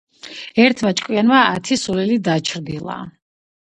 ერთმა ჭკვიანმა ათი სულელი დაჩრდილა.